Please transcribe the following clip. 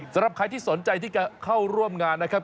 สำหรับใครที่สนใจที่จะเข้าร่วมงานนะครับ